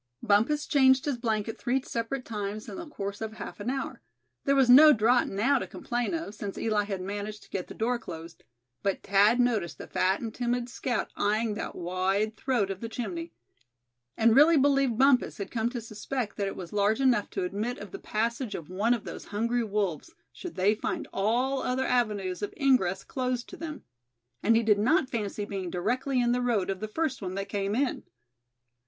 Bumpus changed his blanket three separate times in the course of half an hour. There was no draught now to complain of, since Eli had managed to get the door closed; but Thad noticed the fat and timid scout eying that wide throat of the chimney; and really believed Bumpus had come to suspect that it was large enough to admit of the passage of one of those hungry wolves, should they find all other avenues of ingress closed to them. And he did not fancy being directly in the road of the first one that came in.